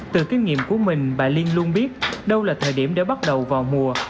từ kinh nghiệm của mình bà liên luôn biết đâu là thời điểm để bắt đầu vào mùa